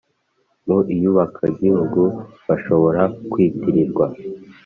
mu iyubakagihugu bashoboraga kwitirirwa